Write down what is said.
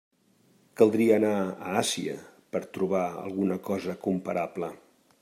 Caldria anar a Àsia per a trobar alguna cosa comparable.